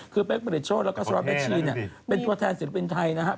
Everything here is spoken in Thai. คือเป๊กผลิตโชคแล้วก็สำหรับเป๊กชีนเป็นตัวแทนศิลปินไทยนะฮะ